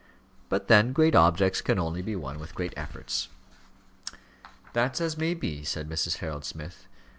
But then great objects can only be won with great efforts. "That's as may be," said Mrs. Harold Smith.